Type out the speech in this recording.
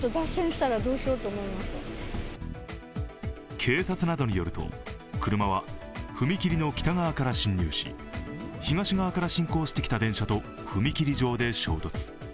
警察などによると、車は踏切の北側から侵入し東側から進行してきた電車と踏切上で衝突。